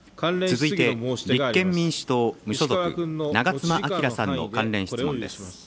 続いて立憲民主党・無所属、長妻昭さんの関連質問です。